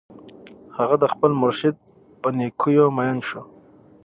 هغه د خپل مرشد په نېکیو مین شو